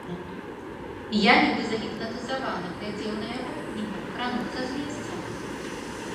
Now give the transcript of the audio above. Я, нібы загіпнатызаваны, глядзеў на яго і не мог крануцца з месца.